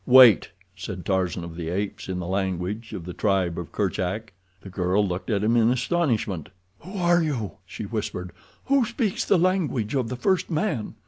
"Wait!" said Tarzan of the Apes, in the language of the tribe of Kerchak. The girl looked at him in astonishment. "Who are you," she whispered, "who speaks the language of the first man?"